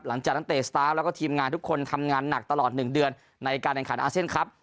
หลังจากตั้งแต่สตาร์ฟแล้วก็ทีมงานทุกคนทำงานหนักตลอดหนึ่งเดือนในการแบ่งขันอาเซนครับ